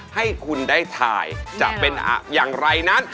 ให้คุณได้ถ่ายจะเป็นอย่างไรนั้น